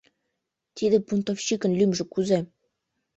Тиде бунтовшикын лӱмжӧ кузе?